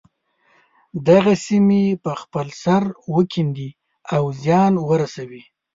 دغه سیمې په خپل سر وکیندي او زیان ورسوي.